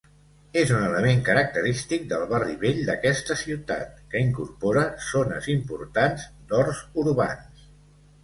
És un element característic del Barri Vell d'aquesta ciutat, que incorpora zones importants d'horts urbans.